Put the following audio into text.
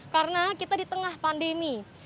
karena kita di tengah pandemi